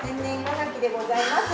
ガキでございます。